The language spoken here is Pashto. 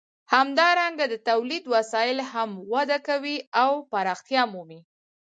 همدارنګه د تولید وسایل هم وده کوي او پراختیا مومي.